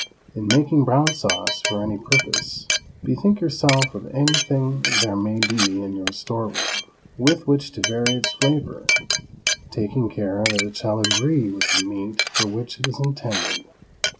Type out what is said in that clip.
In making brown sauce for any purpose, bethink yourself of anything there may be in your store room with which to vary its flavor, taking care that it shall agree with the meat for which it is intended.